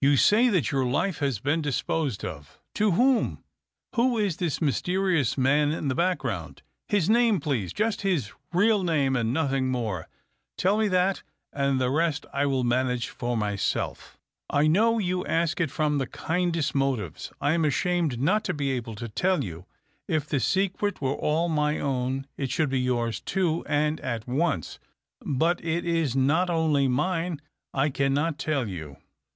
You say that your life has been disposed of. To whom ? Who is this mysterious man in the background ? His name, please — ^just his real name and nothing more. Tell me that, and the rest I will manage for myself." " I know you ask it from the kindest motives. I am ashamed not to be able to tell you. If the secret were all my own, it should be yours too, and at once. But it is not only mine. I cannot tell you."